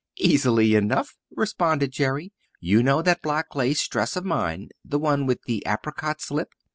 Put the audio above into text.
"Easily enough," responded Jerry. "You know that black lace dress of mine the one with the apricot slip.